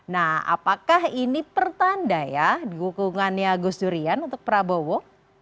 nah apakah ini pertanda ya dukungannya gus durian untuk prabowo